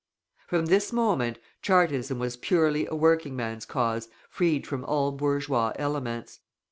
From this moment Chartism was purely a working man's cause freed from all bourgeois elements.